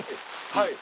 はい。